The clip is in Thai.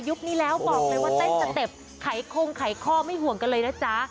นี้แล้วบอกเลยว่าเต้นสเต็ปไขคงไขข้อไม่ห่วงกันเลยนะจ๊ะ